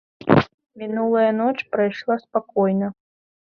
Мінулая ноч прайшла спакойна.